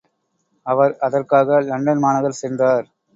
அவர் அதற்காக லண்டன் மாநகர் சென்றார்.